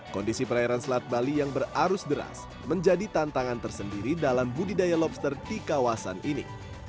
kondisi perairan selat bali yang berarus deras menjadi tantangan tersendiri dalam budidaya lobster di kawasan ini